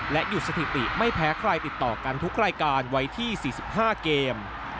หยุดสถิติไม่แพ้ใครติดต่อกันทุกรายการไว้ที่๔๕เกม